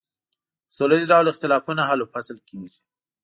په سوله ایز ډول اختلافونه حل و فصل کیږي.